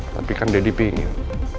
tapi kan deddy pengen